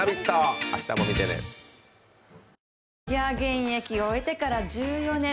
現役終えてから１４年